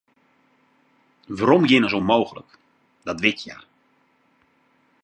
Weromgean is ûnmooglik, dat wit hja.